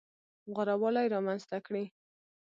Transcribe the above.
غوره والی رامنځته کړي.